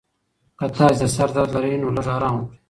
که تاسي د سر درد لرئ، نو لږ ارام وکړئ.